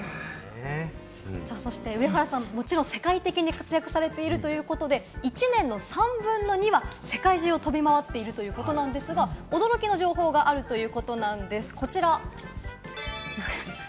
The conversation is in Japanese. そして上原さんはもちろん世界的に活躍されているということで、１年の３分の２は世界中を飛び回っているということなんですが、驚きの情報があるということなんです、こちら。